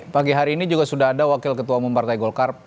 pagi hari ini juga sudah ada wakil ketua umum partai golkar